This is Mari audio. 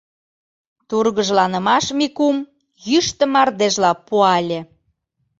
Тургыжланымаш Микум йӱштӧ мардежла пуале.